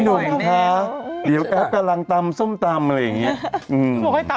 เดี๋ยวก็อาพกำลังทำส้มตำอะไรอย่างนี่